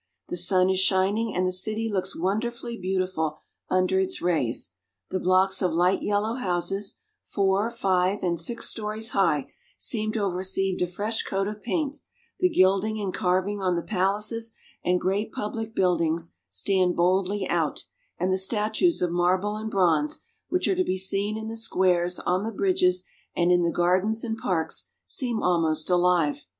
The sun is shining, and the city looks wonderfully beautiful under its rays. The blocks of light yellow houses, four, five, and six stories high, seem to have received a fresh coat of paint, the gilding and carving on the palaces and great 204 GERMANY. public buildings stand boldly out, and the statues of marble and bronze, which are to be seen in the squares, on the bridges, and in the gardens and parks, seem almost alive.